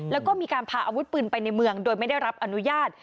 แล้วก็มีการพาอาวุธปืนไปในเมืองโดยไม่ได้รับอนุญาต